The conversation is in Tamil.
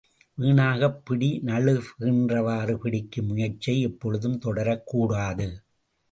வீணாகப் பிடி நழுவுகின்றவாறு பிடிக்கும் முயற்சியை எப்பொழுதும் தொடரக்கூடாது.